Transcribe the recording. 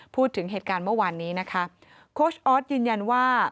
พูดถึงเหตุการณ์เมื่อวานนี้นะคะโค้ชออสยืนยันว่า